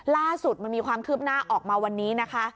ล่าสุดมันมีความคืบหน้าออกมาวันนี้นะคะ